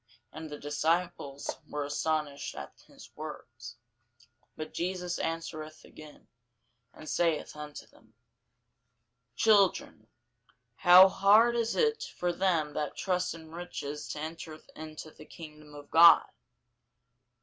And the disciples were astonished at his words. But Jesus answereth again, and saith unto them, Children, how hard is it for them that trust in riches to enter into the kingdom of God!